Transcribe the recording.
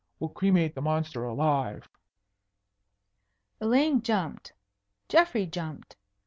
We'll cremate the monster alive!" Elaine jumped. Geoffrey jumped.